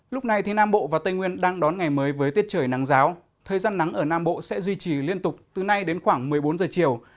lúc này thì nam bộ và tây nguyên đang đón ngày mới với tiết trời nắng giáo thời gian nắng ở nam bộ sẽ duy trì liên tục từ nay đến khoảng một mươi bốn giờ chiều